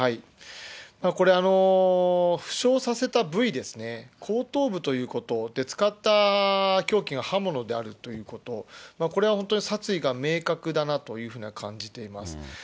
これ、負傷させた部位ですね、後頭部ということ、で、使った凶器が刃物であるということ、これは本当に殺意が明確だなというふうに感じています。